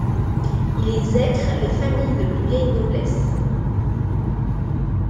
Il exècre les familles de plus vieille noblesse.